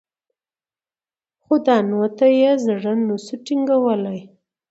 خو دانو ته یې زړه نه سو ټینګولای